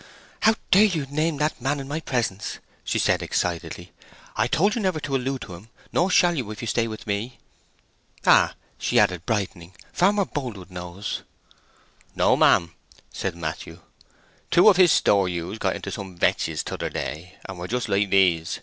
"How dare you name that man in my presence!" she said excitedly. "I told you never to allude to him, nor shall you if you stay with me. Ah!" she added, brightening, "Farmer Boldwood knows!" "O no, ma'am" said Matthew. "Two of his store ewes got into some vetches t'other day, and were just like these.